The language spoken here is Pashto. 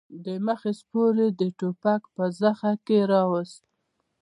د مخې سپور يې د ټوپک په زخه کې راووست.